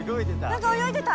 何か泳いでた？